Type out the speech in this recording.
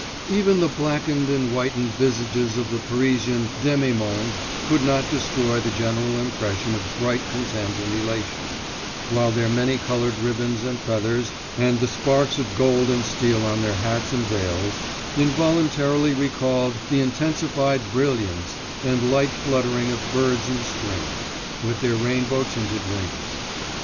Even the blackened and whitened visages of the Parisian demi monde could not destroy the general impression of bright content and elation, while their many coloured ribbons and feathers and the sparks of gold and steel on their hats and veils involuntarily recalled the intensified brilliance and light fluttering of birds in spring, with their rainbow tinted wings.